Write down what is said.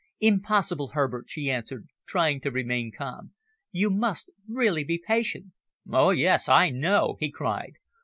"Impossible, Herbert," she answered, trying to remain calm. "You must really be patient." "Oh, yes, I know!" he cried.